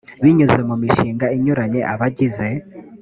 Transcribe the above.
binyuze mu mishinga inyuranye abagize